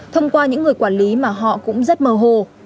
thông qua những người quản lý mà họ cũng rất mơ hồ